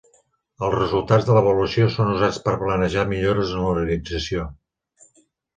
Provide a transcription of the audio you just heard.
Els resultats de l'avaluació són usats per a planejar millores en l'organització.